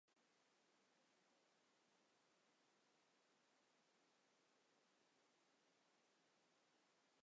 তিন বছর পর, তিনি শ্রেণিতে শীর্ষস্থান সহকারে সেখান থেকে স্নাতক উপাধি লাভ করেন।